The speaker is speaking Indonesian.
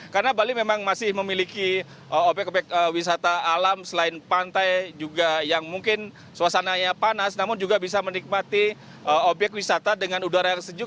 karena bali memang masih memiliki objek objek wisata alam selain pantai juga yang mungkin suasananya panas namun juga bisa menikmati objek wisata dengan udara yang sejuk